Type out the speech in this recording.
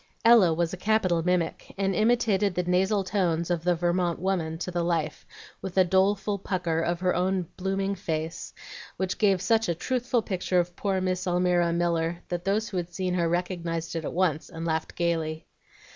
Ella was a capital mimic, and imitated the nasal tones of the Vermont woman to the life, with a doleful pucker of her own blooming face, which gave such a truthful picture of poor Miss Almira Miller that those who had seen her recognized it at once, and laughed gayly.